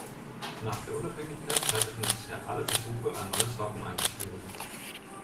Nach der Unabhängigkeit scheiterten bisher alle Versuche, ein neues Wappen einzuführen.